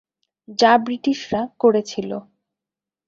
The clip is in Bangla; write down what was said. যা ব্রিটিশরা করেছিল।